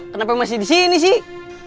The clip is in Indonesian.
kenapa masih di sini sih